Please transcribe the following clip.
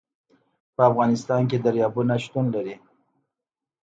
په افغانستان کې دریابونه شتون لري.